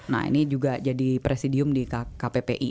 nah ini juga jadi presidium di kppi